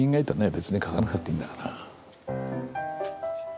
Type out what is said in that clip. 別に書かなくたっていいんだから。